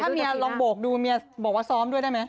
เมียลองโบกดูเมียบอกว่าซ้อมด้วยได้ไหม